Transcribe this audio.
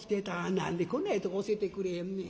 何でこんなええとこ教えてくれへんねん。